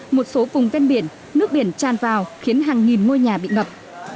một số vùng ven biển nước biển tràn vào khiến hàng nghìn ngôi nhà bị ngập